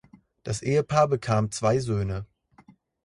Das Ehepaar bekam zwei Söhne.